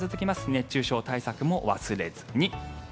熱中症対策も忘れずに。